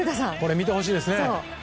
見てほしいですね。